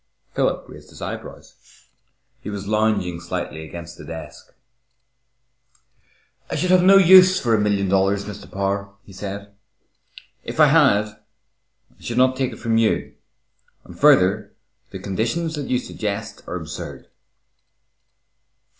Philip raised his eyebrows. He was lounging slightly against the desk. "I should have no use for a million dollars, Mr. Power," he said. "If I had, I should not take it from you, and further, the conditions you suggest are absurd."